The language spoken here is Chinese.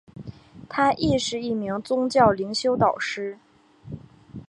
她亦是一名宗教灵修导师。